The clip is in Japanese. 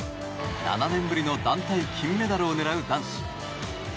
７年ぶりの団体金メダルを狙う男子。